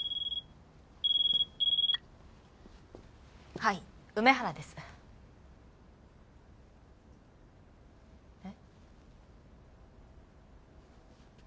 はい梅原です。え？